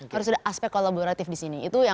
harus ada aspek kolaboratif di sini